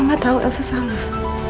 mama tau elsa salah